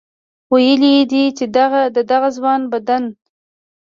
ویلي دي چې د دغه ځوان د بدن